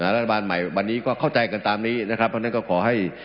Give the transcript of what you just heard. รัฐบาลใหม่วันนี้ก็เข้าใจกันตามนี้นะครับเพราะฉะนั้นก็ขอให้